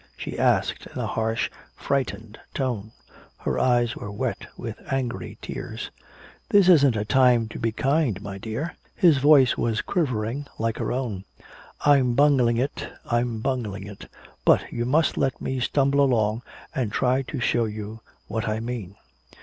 She asked in a harsh frightened tone. Her eyes were wet with angry tears. "This isn't a time to be kind, my dear." His voice was quivering like her own. "I'm bungling it I'm bungling it but you must let me stumble along and try to show you what I mean.